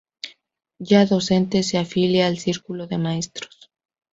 Ya docente, se afilia al Círculo de Maestros.